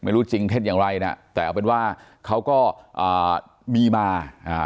ไม่รู้จริงเท็จอย่างไรนะแต่เอาเป็นว่าเขาก็อ่ามีมาอ่า